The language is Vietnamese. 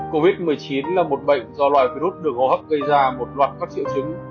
covid một mươi chín là một bệnh do loài virus được ngô hấp gây ra một loạt các triệu chứng